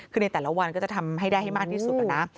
คือในแต่ละวันก็จะทำให้ได้ให้มากที่สุดนะ